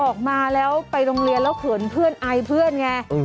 ออกมาแล้วไปโรงเรียนแล้วเขินเพื่อนไอเพื่อนไง